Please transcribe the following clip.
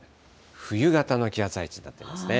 冬型の気圧配置になっていますね。